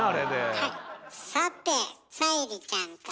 はい。